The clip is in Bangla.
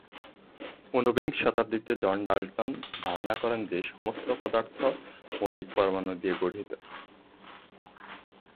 ঊনবিংশ শতাব্দীতে জন ডাল্টন ধারণা করেন যে সমস্ত পদার্থ মৌলিক পরমাণু দিয়ে গঠিত।